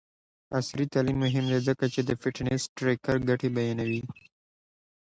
عصري تعلیم مهم دی ځکه چې د فټنس ټریکر ګټې بیانوي.